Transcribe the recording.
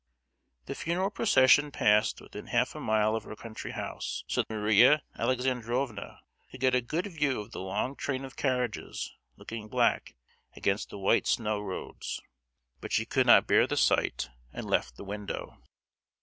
The funeral procession passed within half a mile of her country house; so that Maria Alexandrovna could get a good view of the long train of carriages looking black against the white snow roads; but she could not bear the sight, and left the window.